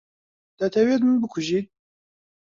دەتەوێت من بکوژیت؟